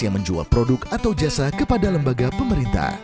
yang menjual produk atau jasa kepada lembaga pemerintah